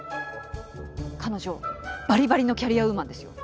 彼女ばりばりのキャリアウーマンですよ。